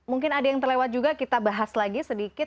mungkin ada yang terlewat juga kita bahas lagi sedikit